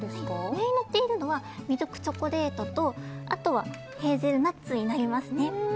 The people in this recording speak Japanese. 上にのっているのはミルクチョコレートとあとはヘーゼルナッツになります。